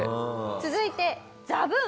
続いてザブン。